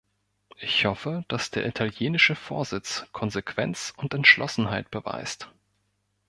Ich hoffe, dass der italienische Vorsitz Konsequenz und Entschlossenheit beweist.